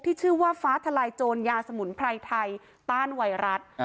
ชื่อว่าฟ้าทลายโจรยาสมุนไพรไทยต้านไวรัส